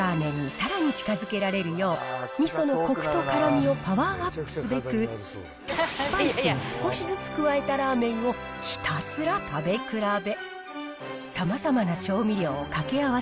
５０杯ぐらいは、たぶんある本場のみそラーメンにさらに近づけられるよう、みそのこくと辛みをパワーアップすべく、スパイスを少しずつ加えたラーメンをひたすら食べ比べ。